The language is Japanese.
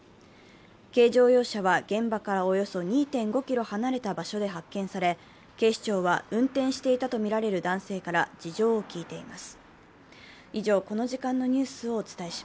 軽乗用車は現場からおよそ２．５ｋｍ離れた場所で発見され、警視庁は、運転していたとみられる男性から事情を聴いています。